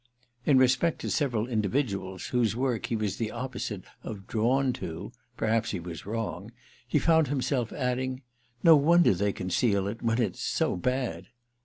In respect to several individuals whose work he was the opposite of "drawn to"—perhaps he was wrong—he found himself adding "No wonder they conceal it—when it's so bad!"